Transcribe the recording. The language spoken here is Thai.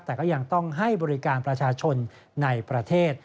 แต่ก็ยังต้องให้บริการประชาชนในประเทศ